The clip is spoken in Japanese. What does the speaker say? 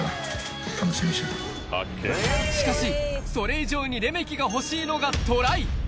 しかし、それ以上にレメキが欲しいのがトライ。